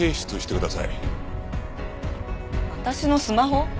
私のスマホ？